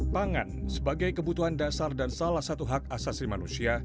pangan sebagai kebutuhan dasar dan salah satu hak asasi manusia